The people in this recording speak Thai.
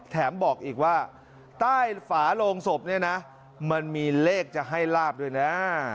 บอกอีกว่าใต้ฝาโลงศพเนี่ยนะมันมีเลขจะให้ลาบด้วยนะ